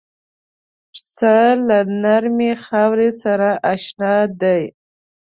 پسه له نرمې خاورې سره اشنا دی.